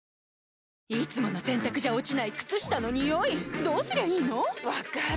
いつもの洗たくじゃ落ちない靴下のニオイどうすりゃいいの⁉分かる。